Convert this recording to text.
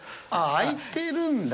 開いてるんだ。